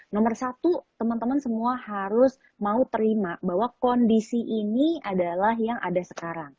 nomor satu teman teman semua harus mau terima bahwa kondisi ini adalah yang ada sekarang